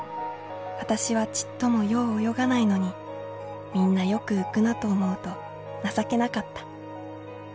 私はちっともよう泳がないのにみんなよく浮くなと思うと情けなかった。